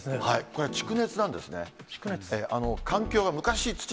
これは蓄熱なんですね。